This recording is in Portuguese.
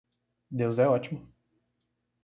Deus é ótimo.